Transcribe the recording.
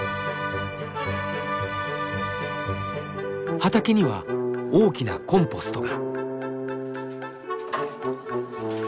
畑には大きなコンポストが。